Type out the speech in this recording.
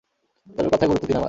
তবে কথায় গুরুত্ব দিন আমার।